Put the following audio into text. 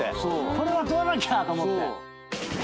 これは撮らなきゃ！と思って。